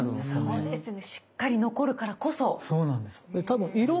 そうですね。